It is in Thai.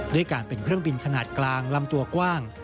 ด้วยการเป็นเครื่องบินขนาดกลางลำตัวกว้าง